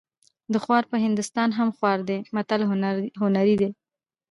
د خوار په هندوستان هم خوار دی متل هنري دی